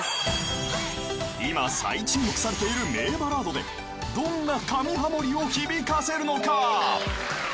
［今再注目されている名バラードでどんな神ハモリを響かせるのか？］